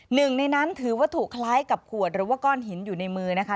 หนึ่งในนั้นถือวัตถุคล้ายกับขวดหรือว่าก้อนหินอยู่ในมือนะคะ